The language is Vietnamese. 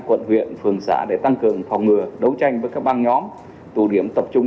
quận huyện phường xã để tăng cường phòng ngừa đấu tranh với các bang nhóm tù điểm tập trung